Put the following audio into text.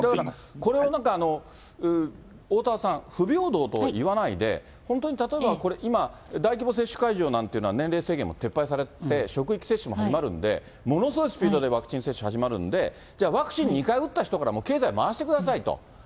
これをなんか、おおたわさん、不平等といわないで、本当に例えばこれ、今、大規模接種会場なんていうのは、年齢制限も撤廃されて、職域接種も始まるんで、ものすごいスピードでワクチン接種、始まるんで、じゃあワクチン２回打った人から経済回してくださいと。